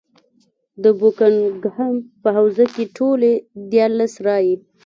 د بوکنګهم په حوزه کې ټولې دیارلس رایې.